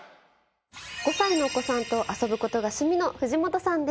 ５歳のお子さんと遊ぶ事が趣味の藤本さんです。